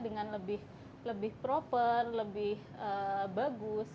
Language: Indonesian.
dengan lebih proper lebih bagus